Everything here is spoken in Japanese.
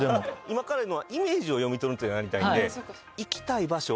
今からやるのはイメージを読み取るというのをやりたいんで。